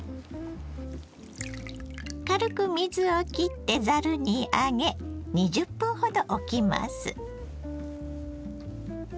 軽く水をきってざるに上げ２０分ほどおきます。